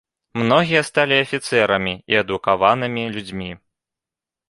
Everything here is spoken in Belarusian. Многія сталі афіцэрамі і адукаванымі людзьмі.